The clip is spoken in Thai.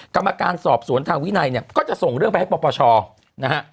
กรรมการสอบสวนทางวินัยเนี่ยก็จะส่งเรื่องไปให้ปปชนะฮะ